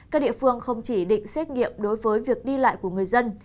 các địa phương không chỉ định xét nghiệm đối với việc đi lại của người dân